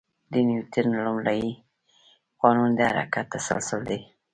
د نیوتن لومړی قانون د حرکت تسلسل دی.